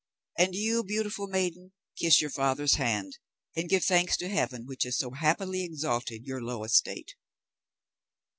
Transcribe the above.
And you, beautiful maiden, kiss your father's hand, and give thanks to heaven which has so happily exalted your low estate."